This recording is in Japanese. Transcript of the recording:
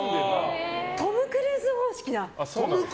トム・クルーズ方式だ！